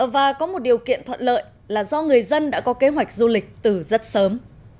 và có một điều kiện thuận lợi là do người dân đã có kế hoạch du lịch từ rất sớm